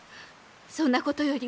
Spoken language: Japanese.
そんなことより